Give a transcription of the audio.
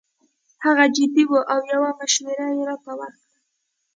هغه جدي وو او یو مشوره یې راته ورکړه.